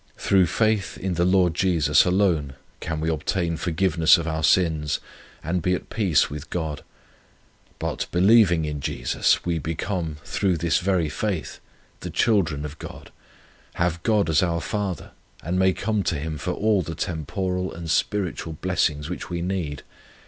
Through faith in the Lord Jesus alone can we obtain forgiveness of our sins, and be at peace with God; but, believing in Jesus, we become, through this very faith, the children of God; have God as our Father, and may come to Him for all the temporal and spiritual blessings which we need.